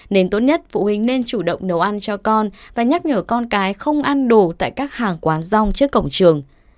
nên tốt nhất phụ huynh nên chủ động nấu ăn cho con và nhắc nhở con cái không ăn đồ tại các hàng quán rong trước cổng trường